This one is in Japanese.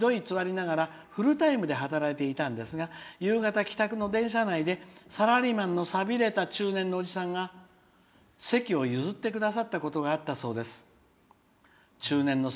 娘もひどいつわりながらフルタイムで働いていたんですが夕方、帰宅の電車内でサラリーマンのさびれた中年の男性が席を譲ってくださったことがあったそうです」。